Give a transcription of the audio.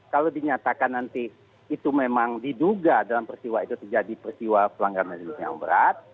kalau dinyatakan nanti itu memang diduga dalam peristiwa pelanggaran ham berat